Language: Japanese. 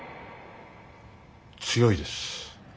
強いです。